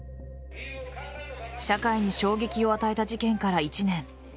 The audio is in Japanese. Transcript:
社会に衝撃を与えた事件から１年。